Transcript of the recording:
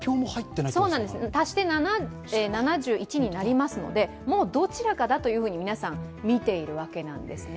足して７１になりますので、もうどちらかだと皆さん見ているわけなんですね。